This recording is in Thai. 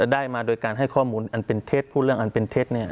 ได้มาโดยการให้ข้อมูลอันเป็นเท็จพูดเรื่องอันเป็นเท็จ